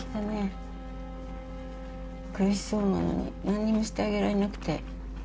苦しそうなのに何にもしてあげられなくて。